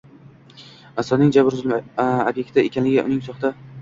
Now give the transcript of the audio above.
insoning jabr-zulm ob’ekti ekanligi uning soxta